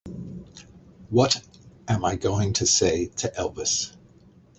What am I going to say to Elvis?